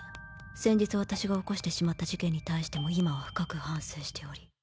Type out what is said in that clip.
先日私が起こしてしまった事件に対しても今は深く反省しており」。